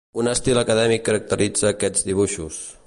Un estil acadèmic caracteritza aquests dibuixos.